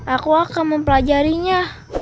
aku akan mempelajarinya